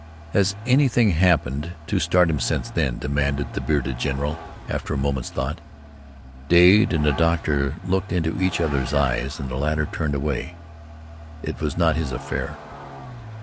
"Has anything happened to start him since then?" demanded the bearded general, after a moment's thought. Dade and the doctor looked into each other's eyes, and the latter turned away. It was not his affair.